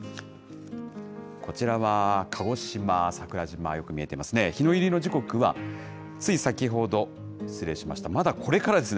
こちらは鹿児島・桜島、よく見えていますね。